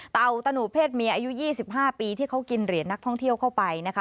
ตะหนูเพศเมียอายุ๒๕ปีที่เขากินเหรียญนักท่องเที่ยวเข้าไปนะคะ